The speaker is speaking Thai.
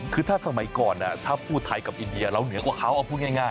คือถ้าสมัยก่อนถ้าพูดไทยกับอินเดียเราเหนือกว่าเขาเอาพูดง่าย